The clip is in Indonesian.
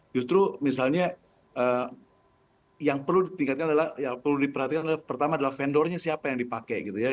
justru misalnya yang perlu diperhatikan adalah pertama adalah vendornya siapa yang dipakai gitu ya